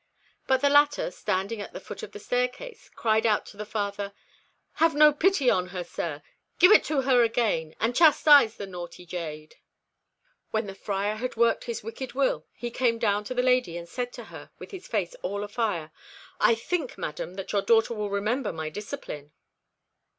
But the latter, standing at the foot of the staircase, cried out to the Friar "Have no pity on her, sir. Give it to her again, and chastise the naughty jade." When the Friar had worked his wicked will, he came down to the lady and said to her with a face all afire "I think, madam, that your daughter will remember my discipline."